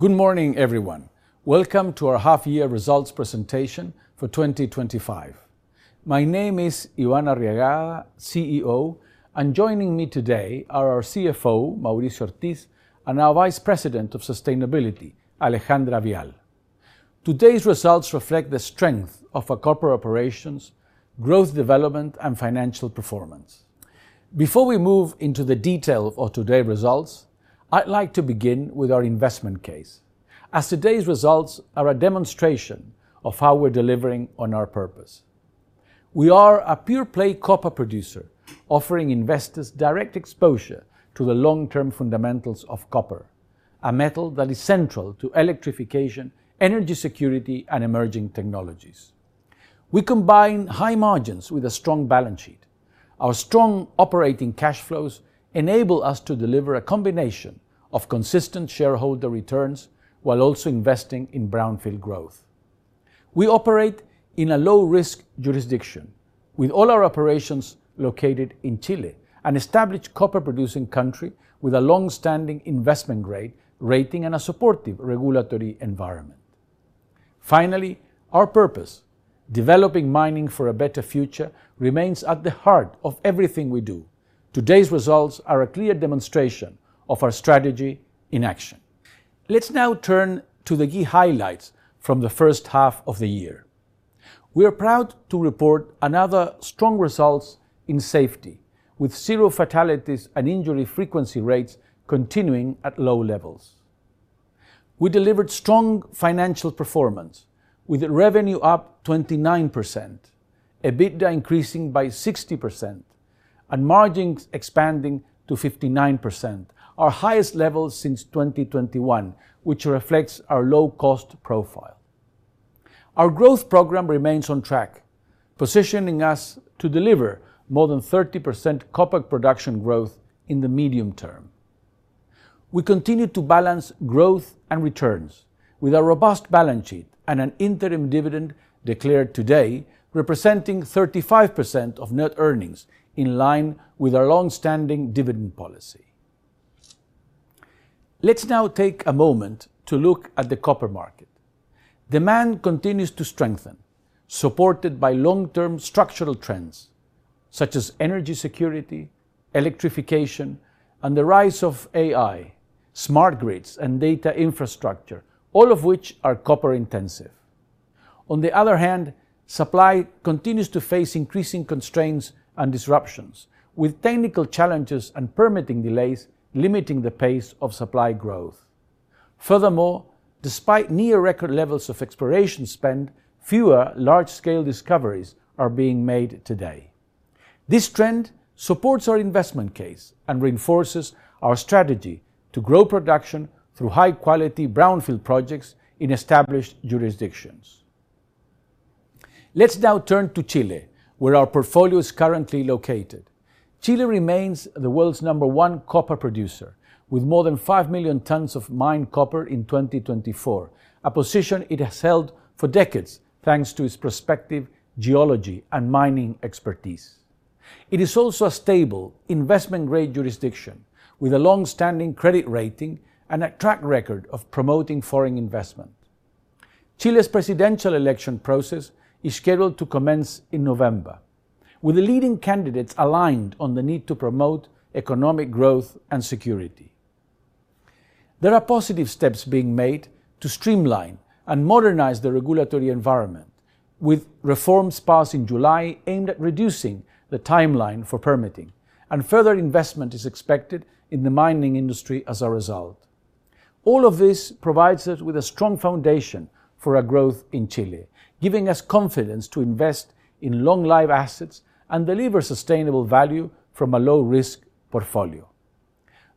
Good morning, everyone. Welcome to our half-year results presentation for 2025. My name is Iván Arriagada, CEO, and joining me today are our CFO, Mauricio Ortiz, and our Vice President of Sustainability, Alejandra Vial. Today's results reflect the strength of our corporate operations, growth, development, and financial performance. Before we move into the detail of our today's results, I'd like to begin with our investment case, as today's results are a demonstration of how we're delivering on our purpose. We are a pure-play copper producer, offering investors direct exposure to the long-term fundamentals of copper, a metal that is central to electrification, energy security, and emerging technologies. We combine high margins with a strong balance sheet. Our strong operating cash flows enable us to deliver a combination of consistent shareholder returns while also investing in Brownfield growth. We operate in a low-risk jurisdiction, with all our operations located in Chile, an established copper-producing country with a long-standing investment grade rating and a supportive regulatory environment. Finally, our purpose: developing mining for a better future remains at the heart of everything we do. Today's results are a clear demonstration of our strategy in action. Let's now turn to the key highlights from the first half of the year. We are proud to report another strong result in safety, with zero fatalities and injury frequency rates continuing at low levels. We delivered strong financial performance, with revenue up 29%, EBITDA increasing by 60%, and margins expanding to 59%, our highest level since 2021, which reflects our low-cost profile. Our growth program remains on track, positioning us to deliver more than 30% copper production growth in the medium term. We continue to balance growth and returns, with a robust balance sheet and an interim dividend declared today, representing 35% of net earnings, in line with our long-standing dividend policy. Let's now take a moment to look at the copper market. Demand continues to strengthen, supported by long-term structural trends, such as energy security, electrification, and the rise of AI, smart grids, and data infrastructure, all of which are copper-intensive. On the other hand, supply continues to face increasing constraints and disruptions, with technical challenges and permitting delays limiting the pace of supply growth. Furthermore, despite near-record levels of exploration spend, fewer large-scale discoveries are being made today. This trend supports our investment case and reinforces our strategy to grow production through high-quality Brownfield projects in established jurisdictions. Let's now turn to Chile, where our portfolio is currently located. Chile remains the world's number one copper producer, with more than 5 million tons of mined copper in 2024, a position it has held for decades thanks to its prospective geology and mining expertise. It is also a stable, investment-grade jurisdiction, with a long-standing credit rating and a track record of promoting foreign investment. Chile's presidential election process is scheduled to commence in November, with the leading candidates aligned on the need to promote economic growth and security. There are positive steps being made to streamline and modernize the regulatory environment, with reforms passed in July aimed at reducing the timeline for permitting, and further investment is expected in the mining industry as a result. All of this provides us with a strong foundation for our growth in Chile, giving us confidence to invest in long-lived assets and deliver sustainable value from a low-risk portfolio.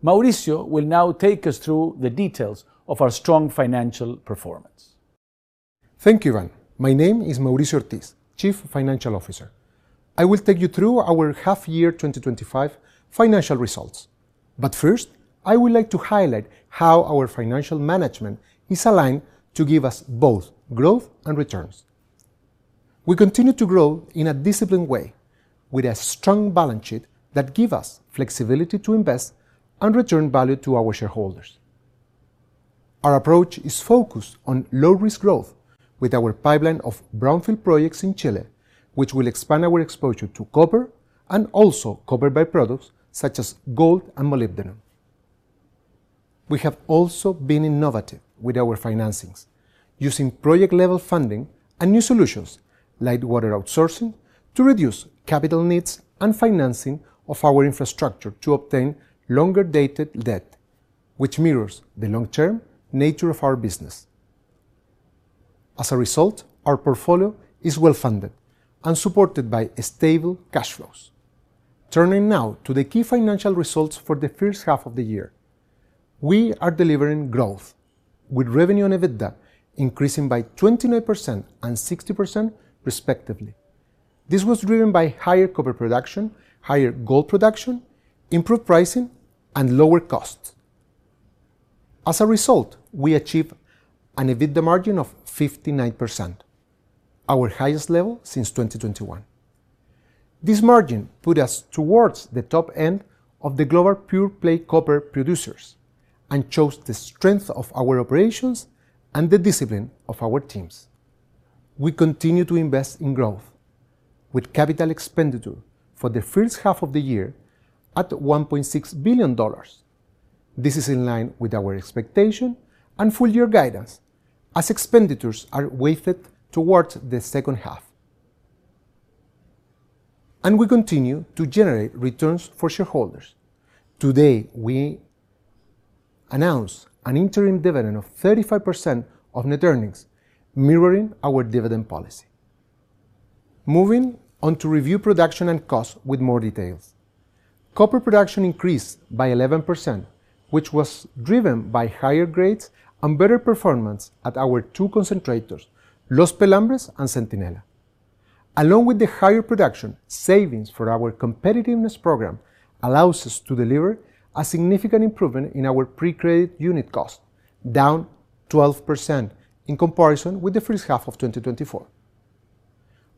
Mauricio will now take us through the details of our strong financial performance. Thank you, Iván. My name is Mauricio Ortiz, Chief Financial Officer. I will take you through our half-year 2025 financial results. First, I would like to highlight how our financial management is aligned to give us both growth and returns. We continue to grow in a disciplined way, with a strong balance sheet that gives us flexibility to invest and return value to our shareholders. Our approach is focused on low-risk growth, with our pipeline of Brownfield projects in Chile, which will expand our exposure to copper and also copper by-products such as gold and molybdenum. We have also been innovative with our financings, using project-level funding and new solutions, like water outsourcing, to reduce capital needs and financing of our infrastructure to obtain longer-dated debt, which mirrors the long-term nature of our business. As a result, our portfolio is well-funded and supported by stable cash flows. Turning now to the key financial results for the first half of the year. We are delivering growth, with revenue and EBITDA increasing by 29% and 60%, respectively. This was driven by higher copper production, higher gold production, improved pricing, and lower costs. As a result, we achieved an EBITDA margin of 59%, our highest level since 2021. This margin puts us towards the top end of the global pure-play copper producers and shows the strength of our operations and the discipline of our teams. We continue to invest in growth, with capital expenditure for the first half of the year at $1.6 billion. This is in line with our expectation and full-year guidance, as expenditures are weighted towards the second half. We continue to generate returns for shareholders. Today, we announced an interim dividend of 35% of net earnings, mirroring our dividend policy. Moving on to review production and costs with more details. Copper production increased by 11%, which was driven by higher grades and better performance at our two concentrators, Los Pelambres and Centinela. Along with the higher production, savings from our competitiveness program allow us to deliver a significant improvement in our pre-credit unit cost, down 12% in comparison with the first half of 2024.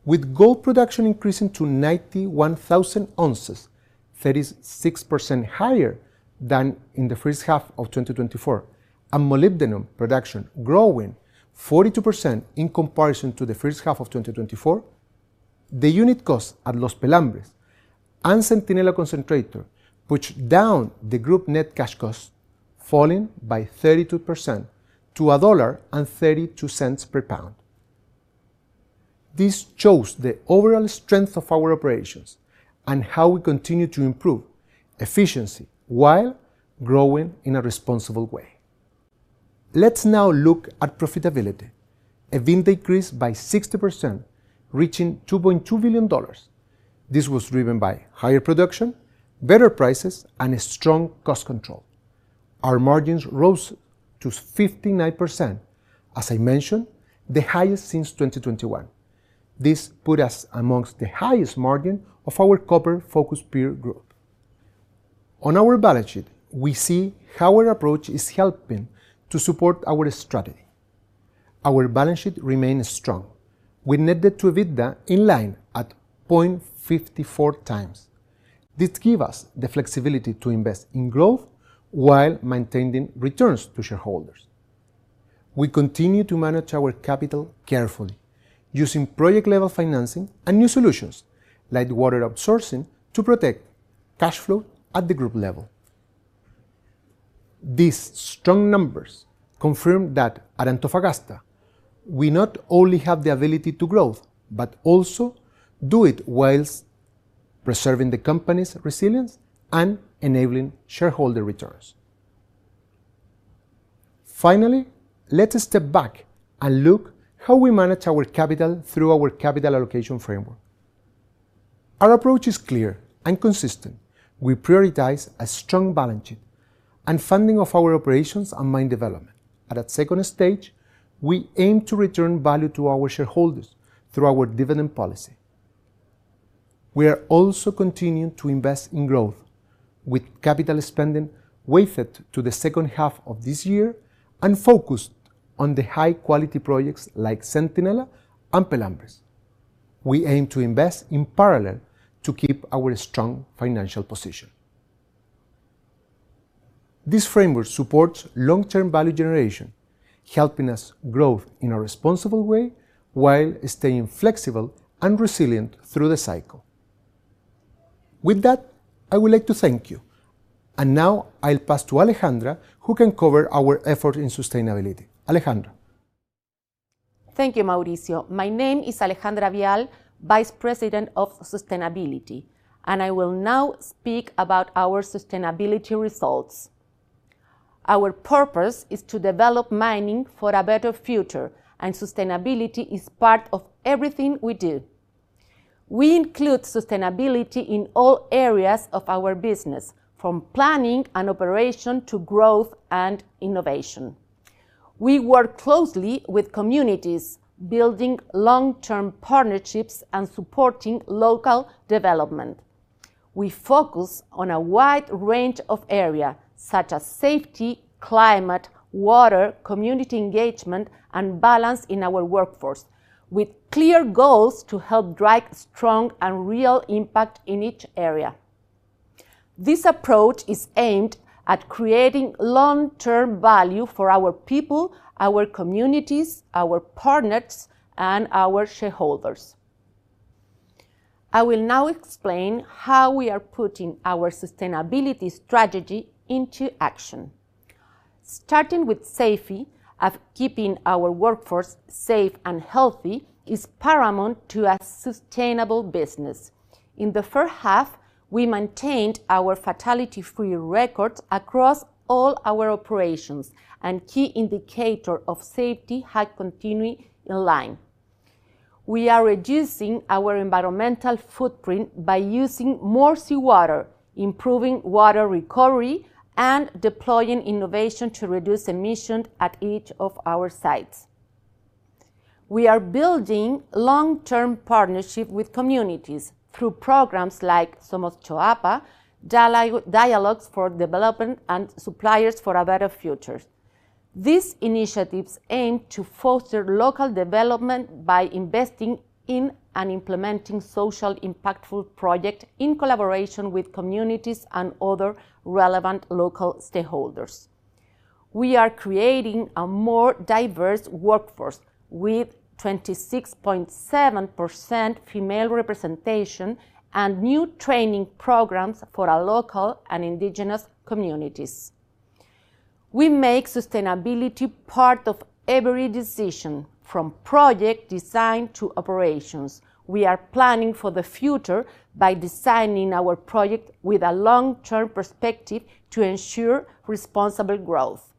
With gold production increasing to 91,000 oz, 36% higher than in the first half of 2024, and molybdenum production growing 42% in comparison to the first half of 2024, the unit costs at Los Pelambres and Centinela concentrators pushed down the group net cash costs, falling by 32% to $1.32 per pound. This shows the overall strength of our operations and how we continue to improve efficiency while growing in a responsible way. Let's now look at profitability, [a VIN] decrease by 60%, reaching $2.2 billion. This was driven by higher production, better prices, and a strong cost control. Our margins rose to 59%, as I mentioned, the highest since 2021. This put us amongst the highest margins of our copper-focused peer group. On our balance sheet, we see how our approach is helping to support our strategy. Our balance sheet remains strong, with net debt to EBITDA in line at 0.54x. This gives us the flexibility to invest in growth while maintaining returns to shareholders. We continue to manage our capital carefully, using project-level financing and new solutions, like water outsourcing, to protect cash flow at the group level. These strong numbers confirm that at Antofagasta plc, we not only have the ability to grow, but also do it while preserving the company's resilience and enabling shareholder returns. Finally, let's step back and look at how we manage our capital through our capital allocation framework. Our approach is clear and consistent. We prioritize a strong balance sheet and funding of our operations and mine development. At that second stage, we aim to return value to our shareholders through our dividend policy. We are also continuing to invest in growth, with capital spending weighted to the second half of this year and focused on the high-quality projects like Centinela and Pelambres. We aim to invest in parallel to keep our strong financial position. This framework supports long-term value generation, helping us grow in a responsible way while staying flexible and resilient through the cycle. With that, I would like to thank you. Now, I'll pass to Alejandra, who can cover our efforts in sustainability. Alejandra. Thank you, Mauricio. My name is Alejandra Vial, Vice President of Sustainability, and I will now speak about our sustainability results. Our purpose is to develop mining for a better future, and sustainability is part of everything we do. We include sustainability in all areas of our business, from planning and operation to growth and innovation. We work closely with communities, building long-term partnerships, and supporting local development. We focus on a wide range of areas, such as safety, climate, water, community engagement, and balance in our workforce, with clear goals to help drive strong and real impact in each area. This approach is aimed at creating long-term value for our people, our communities, our partners, and our shareholders. I will now explain how we are putting our sustainability strategy into action. Starting with safety, keeping our workforce safe and healthy is paramount to a sustainable business. In the first half, we maintained our fatality-free record across all our operations, and key indicators of safety have continued in line. We are reducing our environmental footprint by using more seawater, improving water recovery, and deploying innovation to reduce emissions at each of our sites. We are building long-term partnerships with communities through programs like Somos Choapa, Dialogues for Development, and Suppliers for a Better Future. These initiatives aim to foster local development by investing in and implementing social-impactful projects in collaboration with communities and other relevant local stakeholders. We are creating a more diverse workforce, with 26.7% female representation, and new training programs for our local and indigenous communities. We make sustainability part of every decision, from project design to operations. We are planning for the future by designing our projects with a long-term perspective to ensure responsible growth.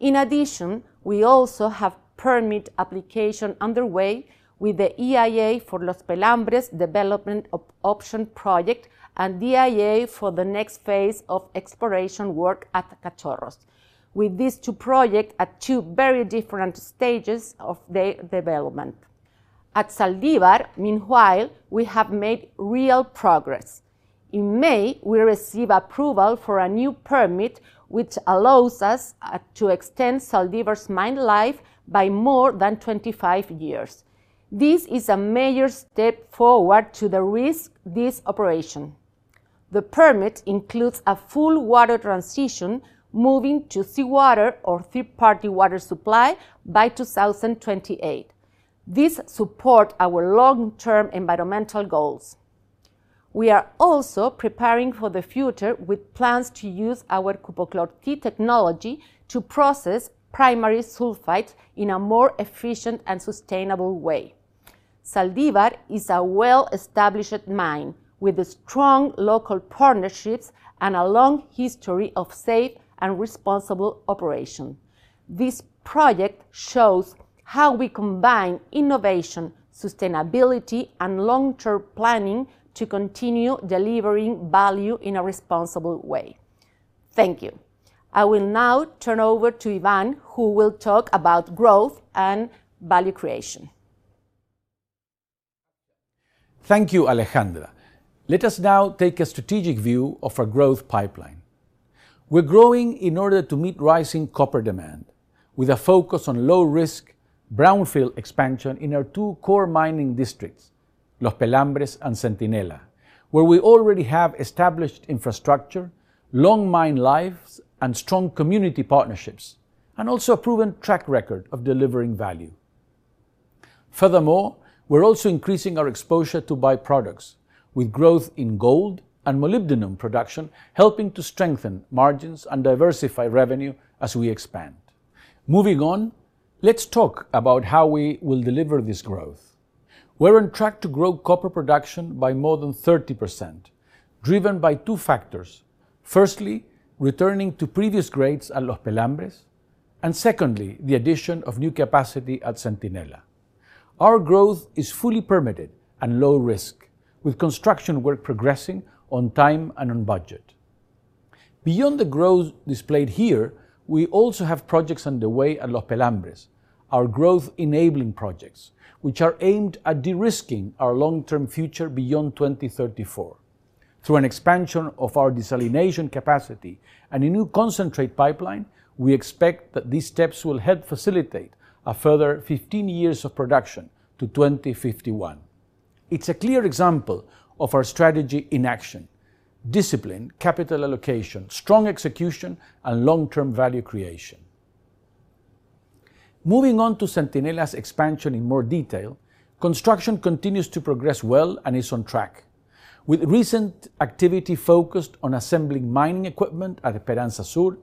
In addition, we also have permit applications underway, with the EIA for Los Pelambres Development Option Project and DIA for the next phase of exploration work at Cachorro, with these two projects at two very different stages of their development. At Zaldívar, meanwhile, we have made real progress. In May, we received approval for a new permit, which allows us to extend Zaldívar's mine life by more than 25 years. This is a major step forward to the risk-based operation. The permit includes a full water transition, moving to seawater or third-party water supply by 2028. This supports our long-term environmental goals. We are also preparing for the future, with plans to use our Cuprochlor-T technology to process primary sulfides in a more efficient and sustainable way. Zaldívar is a well-established mine, with strong local partnerships and a long history of safe and responsible operation. This project shows how we combine innovation, sustainability, and long-term planning to continue delivering value in a responsible way. Thank you. I will now turn over to Iván, who will talk about growth and value creation. Thank you, Alejandra. Let us now take a strategic view of our growth pipeline. We're growing in order to meet rising copper demand, with a focus on low-risk Brownfield expansion in our two core mining districts, Los Pelambres and Centinela, where we already have established infrastructure, long mine lives, strong community partnerships, and also a proven track record of delivering value. Furthermore, we're also increasing our exposure to by-products, with growth in gold and molybdenum production, helping to strengthen margins and diversify revenue as we expand. Moving on, let's talk about how we will deliver this growth. We're on track to grow copper production by more than 30%, driven by two factors: firstly, returning to previous grades at Los Pelambres, and secondly, the addition of new capacity at Centinela. Our growth is fully permitted and low-risk, with construction work progressing on time and on budget. Beyond the growth displayed here, we also have projects underway at Los Pelambres, our growth-enabling projects, which are aimed at de-risking our long-term future beyond 2034. Through an expansion of our desalination capacity and a new concentrate pipeline, we expect that these steps will help facilitate a further 15 years of production to 2051. It's a clear example of our strategy in action: discipline, capital allocation, strong execution, and long-term value creation. Moving on to Centinela's expansion in more detail, construction continues to progress well and is on track, with recent activity focused on assembling mining equipment at Esperanza Sur,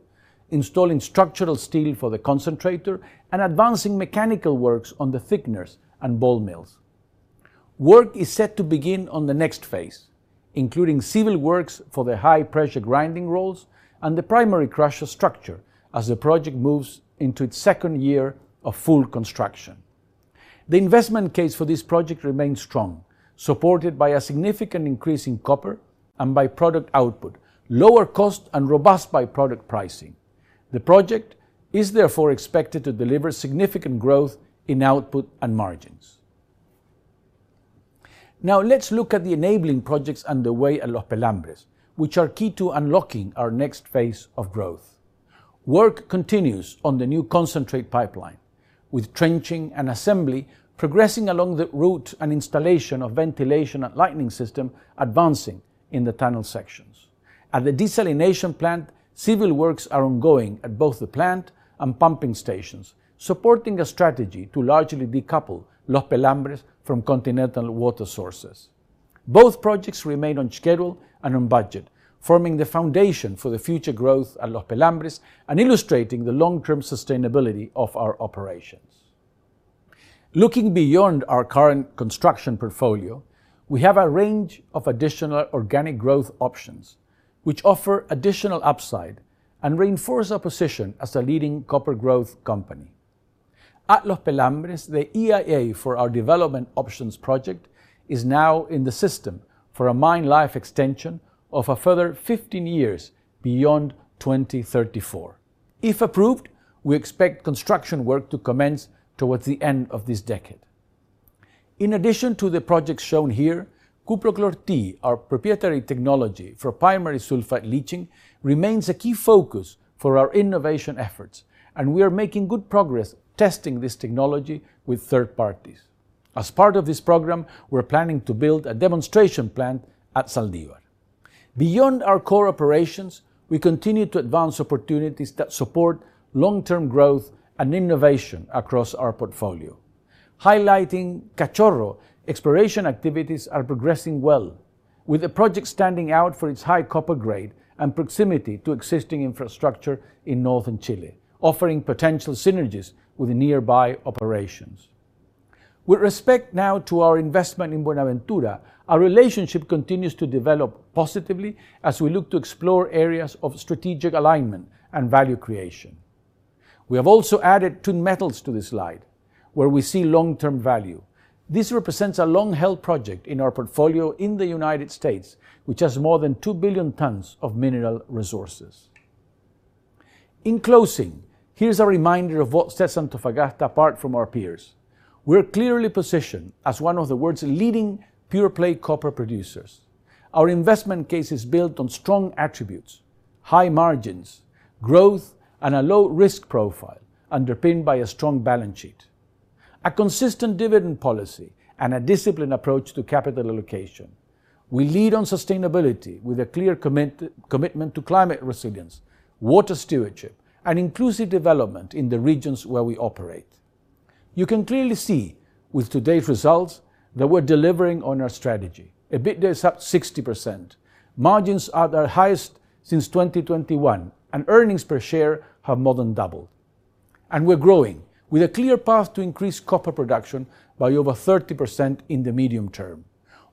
installing structural steel for the concentrator, and advancing mechanical works on the thickeners and ball mills. Work is set to begin on the next phase, including civil works for the high-pressure grinding rolls and the primary crusher structure, as the project moves into its second year of full construction. The investment case for this project remains strong, supported by a significant increase in copper and by-product output, lower costs, and robust by-product pricing. The project is therefore expected to deliver significant growth in output and margins. Now, let's look at the enabling projects underway at Los Pelambres, which are key to unlocking our next phase of growth. Work continues on the new concentrate pipeline, with trenching and assembly progressing along the route and installation of ventilation and lighting systems advancing in the tunnel sections. At the desalination plant, civil works are ongoing at both the plant and pumping stations, supporting a strategy to largely decouple Los Pelambres from continental water sources. Both projects remain on schedule and on budget, forming the foundation for the future growth at Los Pelambres and illustrating the long-term sustainability of our operations. Looking beyond our current construction portfolio, we have a range of additional organic growth options, which offer additional upside and reinforce our position as a leading copper growth company. At Los Pelambres, the EIA for our development options project is now in the system for a mine life extension of a further 15 years beyond 2034. If approved, we expect construction work to commence towards the end of this decade. In addition to the projects shown here, Cuprochlor-T, our proprietary technology for primary sulfide leaching, remains a key focus for our innovation efforts, and we are making good progress testing this technology with third parties. As part of this program, we're planning to build a demonstration plant at Zaldívar. Beyond our core operations, we continue to advance opportunities that support long-term growth and innovation across our portfolio. Highlighting Cachorro, exploration activities are progressing well, with the project standing out for its high copper grade and proximity to existing infrastructure in northern Chile, offering potential synergies with nearby operations. With respect now to our investment in Buenaventura, our relationship continues to develop positively as we look to explore areas of strategic alignment and value creation. We have also added TUN Metals to this slide, where we see long-term value. This represents a long-held project in our portfolio in the United States, which has more than 2 billion tons of mineral resources. In closing, here's a reminder of what sets Antofagasta apart from our peers. We're clearly positioned as one of the world's leading pure-play copper producers. Our investment case is built on strong attributes, high margins, growth, and a low-risk profile, underpinned by a strong balance sheet, a consistent dividend policy, and a disciplined approach to capital allocation. We lead on sustainability with a clear commitment to climate resilience, water stewardship, and inclusive development in the regions where we operate. You can clearly see, with today's results, that we're delivering on our strategy. EBITDA is up 60%, margins are the highest since 2021, and earnings per share have more than doubled. We are growing, with a clear path to increase copper production by over 30% in the medium term.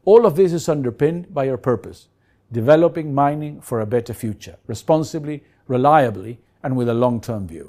All of this is underpinned by our purpose: developing mining for a better future, responsibly, reliably, and with a long-term view.